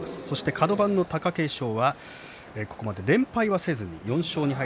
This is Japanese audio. カド番の貴景勝、ここまで連敗はせずに４勝２敗。